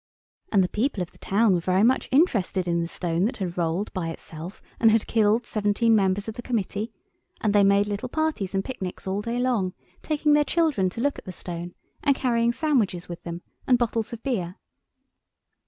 And the people of the town were very much interested in the stone that had rolled by itself and had killed seventeen members of the Committee, and they made little parties and picnics all day long, taking their children to look at the stone and carrying sandwiches with them and bottles of beer.